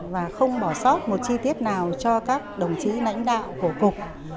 và không bỏ sót một chi tiết nào cho các đồng chí nãnh đạo cổ cục